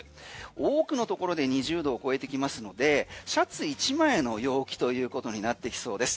多くのところで２０度を超えてきますのでシャツ１枚の陽気ということになってきそうです。